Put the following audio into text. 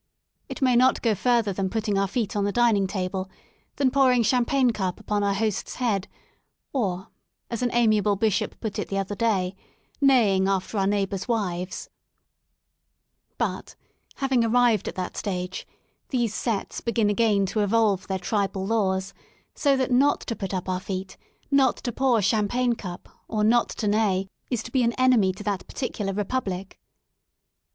It may not go further than putting our feet on the dining table, than pouring champagne cup upon our host's head, or, as an amiable bishop put it the other day, '* neighing after our neighbours* wives," but, having arrived at that stage, these sets" begin again to evolve their tribal laws, so that not to put up our feet, not to pour champagne cup, or not to neigh is to be an enemy to that particular republic.